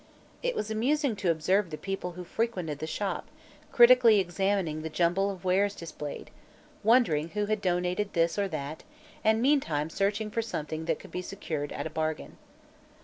It was amusing to observe the people who frequented the shop, critically examining the jumble of wares displayed, wondering who had donated this or that and meantime searching for something that could be secured at a "bargain."